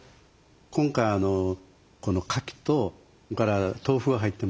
今回このかきとそれから豆腐が入ってましたよね。